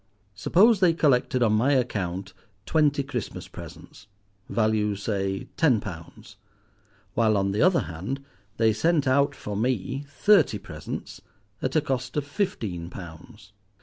Suppose they collected on my account twenty Christmas presents, value, say, ten pounds, while on the other hand they sent out for me thirty presents at a cost of fifteen pounds.